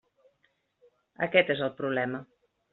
Aquest és el problema.